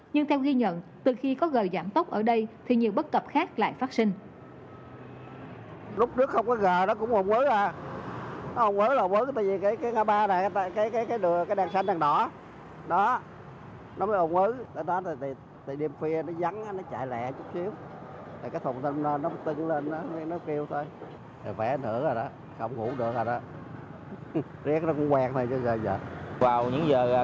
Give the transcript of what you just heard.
nhưng theo ghi nhận từ khi có gờ giảm tốc ở đây thì nhiều bất cập khác lại phát sinh